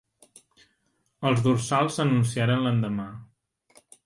Els dorsals s'anunciaren l'endemà.